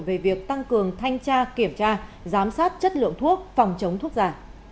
về việc tăng cường thanh tra kiểm tra giám sát chất lượng thuốc phòng chống thuốc giả